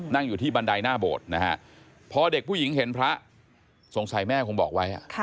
นั่งอยู่ที่บันไดหน้าโบสถ์นะฮะพอเด็กผู้หญิงเห็นพระสงสัยแม่คงบอกไว้